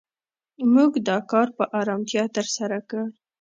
موږ دا کار په آرامتیا تر سره کړ.